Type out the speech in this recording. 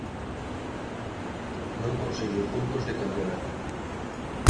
Non conseguiu puntos de campionato.